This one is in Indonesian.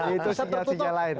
itu sih nasinya lain